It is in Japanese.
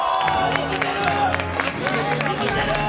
生きてる！